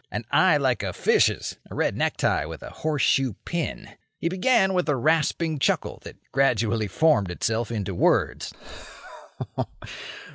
An eye like a fish's; a red necktie with a horseshoe pin. He began with a rasping chuckle that gradually formed itself into words.